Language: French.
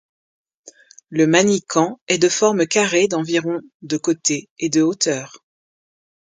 Le manicamp est de forme carrée d'environ de côtés et de hauteur.